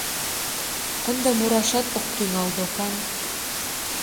Ынде мурашат ок тӱҥал докан.